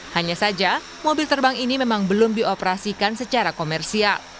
hanya saja mobil terbang ini memang belum dioperasikan secara komersial